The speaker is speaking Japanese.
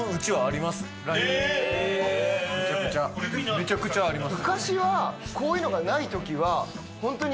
めちゃくちゃあります。